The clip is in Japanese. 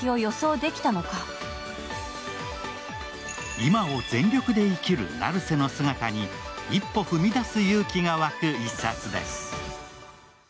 今を全力で生きる成瀬の姿に一歩踏み出す勇気が湧く一冊です。